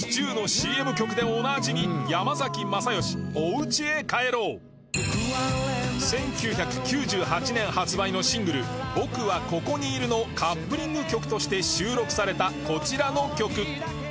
シチューの１９９８年発売のシングル『僕はここにいる』のカップリング曲として収録されたこちらの曲